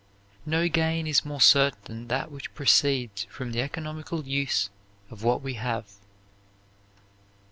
"No gain is more certain than that which proceeds from the economical use of what we have."